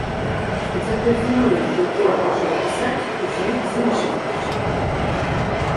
Хаця той феномен, які я хачу апісаць, узнік з іншай прычыны.